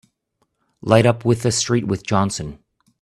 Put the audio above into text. Light up with the street with Johnson!